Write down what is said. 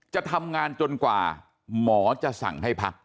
จะทำงานจนกว่าหมอจะสั่งให้พัก